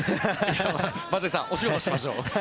松井さん、お仕事しましょう。